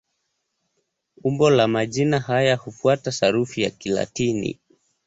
Umbo la majina haya hufuata sarufi ya Kilatini.